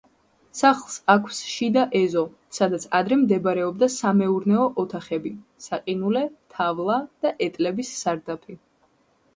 სახლს აქვს შიდა ეზო, სადაც ადრე მდებარეობდა სამეურნეო ოთახები: საყინულე, თავლა და ეტლების სარდაფი.